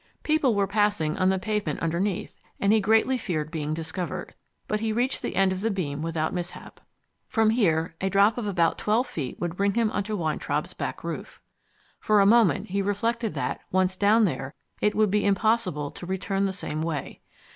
People were passing on the pavement underneath, and he greatly feared being discovered. But he reached the end of the beam without mishap. From here a drop of about twelve feet would bring him onto Weintraub's back roof. For a moment he reflected that, once down there, it would be impossible to return the same way.